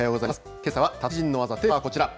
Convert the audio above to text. けさは達人の技、テーマはこちら。